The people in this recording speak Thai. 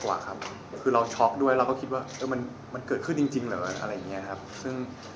แล้วพ่อมาถึงโรงพยาบาลคุณหมอบอกว่าอย่างไรบ้าง